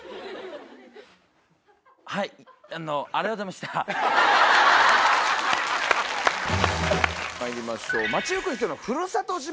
まいりましょう。